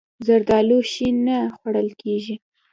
زردالو شین نه خوړل کېږي.